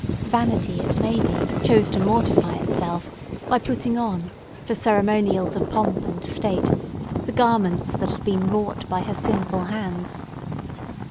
Vanity, it may be, chose to mortify itself, by putting on, for ceremonials of pomp and state, the garments that had been wrought by her sinful hands.